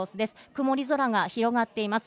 曇り空が広がっています。